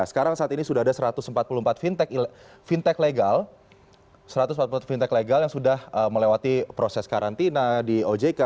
sekarang saat ini sudah ada satu ratus empat puluh empat fintech legal yang sudah melewati proses karantina di ojk